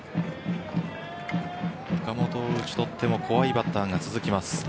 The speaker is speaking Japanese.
岡本を打ち取っても怖いバッターが続きます。